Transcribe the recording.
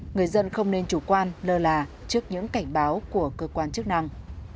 người dân không nên chủ quan lơ là trước những cảnh báo của cơ quan chức năng